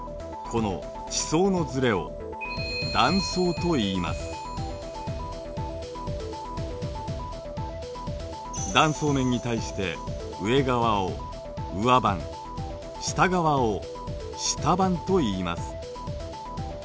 この地層のずれを断層面に対して上側を上盤下側を下盤といいます。